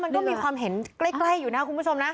มันก็มีความเห็นใกล้อยู่นะคุณผู้ชมนะ